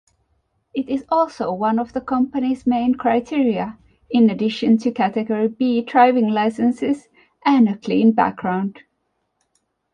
It is also one of the company’s main criteria, in addition to category B driving licenses and a clean background.